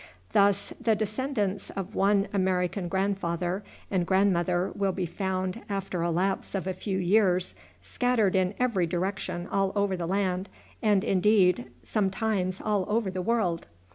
Thus the descendants of one American grandfather and grandmother will be found, after a lapse of a few years, scattered in every direction all over the land, and, indeed, sometimes all over the world.